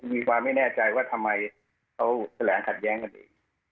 มีความไม่แน่ใจว่าทำไมเขาแถลงขัดแย้งกันเอง